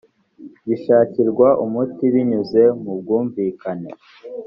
gishakirwa umuti binyuze mu bwumvikane